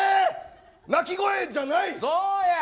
鳴き声じゃない？